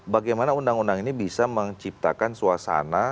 bagaimana undang undang ini bisa menciptakan suasana